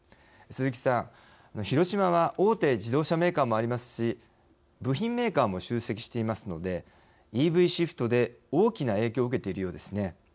鈴木さん、広島は大手自動車メーカーもありますし部品メーカーも集積していますのでＥＶシフトで、大きな影響をはい。